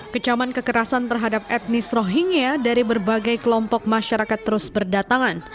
kecaman kekerasan terhadap etnis rohingya dari berbagai kelompok masyarakat terus berdatangan